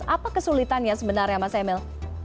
apa kesulitannya sebenarnya mas emil